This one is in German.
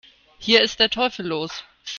Hier ist der Teufel los